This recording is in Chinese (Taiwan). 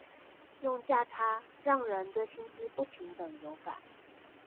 用價差讓人對薪資不平等有感